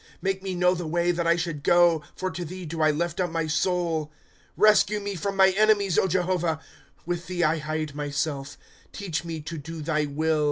Make me know the way that I should go, For to thee do I lift up my soul. ^ Rescue me from my enemies, Jehovah ; With thee I hide myself. "* Teach me to do thy will.